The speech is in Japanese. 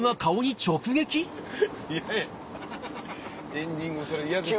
エンディングでそれ嫌ですよ。